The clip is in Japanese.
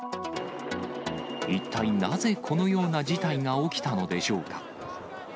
一体なぜ、このような事態が起きたのでしょうか。